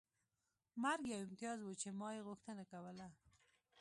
مرګ یو امتیاز و چې ما یې غوښتنه کوله